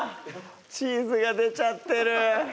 チーズが出ちゃってる！